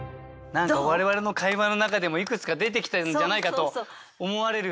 何か我々の会話の中でもいくつか出てきてるんじゃないかと思われる。